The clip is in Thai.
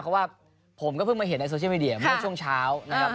เพราะว่าผมก็เพิ่งมาเห็นในโซเชียลมีเดียเมื่อช่วงเช้านะครับ